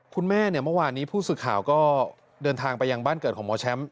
คุณแม่เนี่ยเมื่อวานนี้ผู้สื่อข่าวก็เดินทางไปยังบ้านเกิดของหมอแชมป์